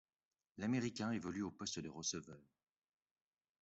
L'américain évolue au poste de receveur.